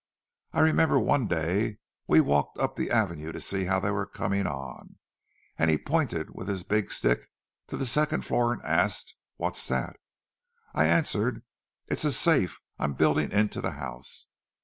I remember one day we walked up the Avenue to see how they were coming on; and he pointed with his big stick to the second floor, and asked, 'What's that?' I answered, 'It's a safe I'm building into the house.